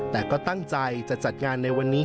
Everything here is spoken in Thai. แต่ก็ตั้งใจจะจัดงานในวันนี้